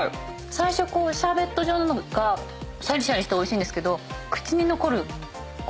最初シャーベット状なのがシャリシャリしておいしいんですけど口に残るオレンジピールとかがうわ！